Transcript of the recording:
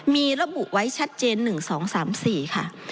มีระบุไว้ชัดเจน๑๒๓๔ค่ะ